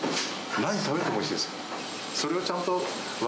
何食べてもおいしいです。